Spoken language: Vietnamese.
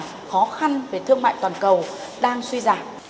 trong bối cảnh khó khăn về thương mại toàn cầu đang suy giảm